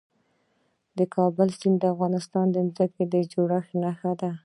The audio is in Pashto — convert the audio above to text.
د کابل سیند د افغانستان د ځمکې د جوړښت نښه ده.